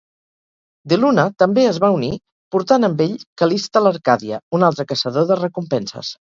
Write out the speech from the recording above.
DeLuna també es va unir, portant amb ell Callista Larkadia, un altre caçador de recompenses.